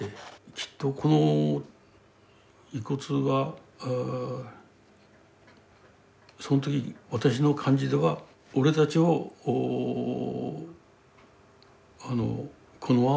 きっとこの遺骨はその時私の感じでは俺たちをこのまま見過ごすのか。